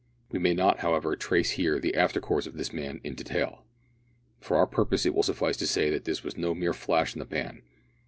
We may not, however, trace here the after course of this man in detail. For our purpose it will suffice to say that this was no mere flash in the pan.